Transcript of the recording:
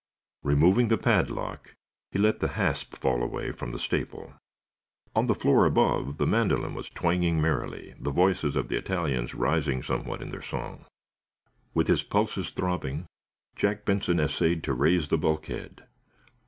Removing the padlock, he let the hasp fall away from the staple. On the floor above the mandolin was twanging merrily, the voices of the Italians rising somewhat in their song. With his pulses throbbing, Jack Benson essayed to raise the bulkhead.